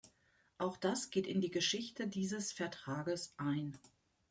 Auch das geht in die Geschichte dieses Vertrages ein.